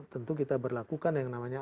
tentu kita berlakukan yang namanya